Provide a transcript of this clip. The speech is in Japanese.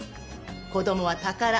子供は宝。